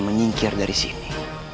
mengingkir dari sini